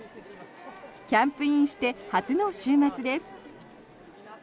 キャンプインして初の週末です。